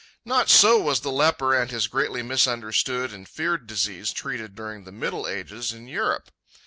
Not so was the leper and his greatly misunderstood and feared disease treated during the middle ages in Europe.